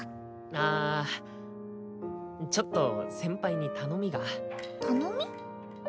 あちょっと先輩に頼みが頼み？